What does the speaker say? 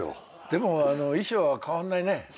でも衣装は変わんないね。